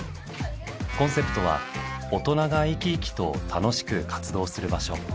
コンセプトは大人が生き生きと楽しく活動する場所。